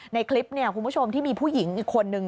ในคลิปเนี่ยคุณผู้ชมที่มีผู้หญิงอีกคนนึง